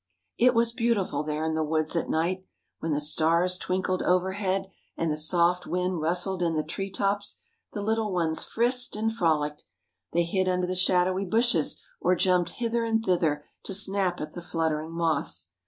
It was beautiful there in the woods at night. When the stars twinkled overhead and the soft wind rustled in the tree tops the little ones frisked and frolicked. They hid under the shadowy bushes or jumped hither and thither to snap at the fluttering moths.